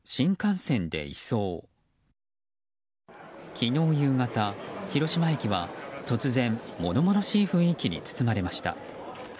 昨日夕方、広島駅は突然物々しい雰囲気に包まれました。